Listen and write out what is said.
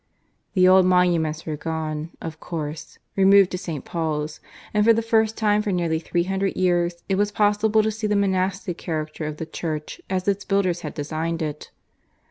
The old monuments were gone, of course removed to St. Paul's and for the first time for nearly three hundred years it was possible to see the monastic character of the church as its builders had designed it.